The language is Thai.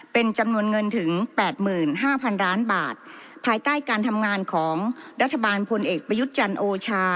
เป็นจำนวนเงินถึงแปดหมื่นห้าพันล้านบาทภายใต้การทำงานของรัฐบาลพลเอกประยุทธ์จันโอชา